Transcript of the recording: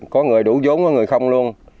có người đủ vốn có người không luôn